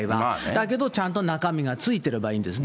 だけどちゃんと中身がついてればいいんです。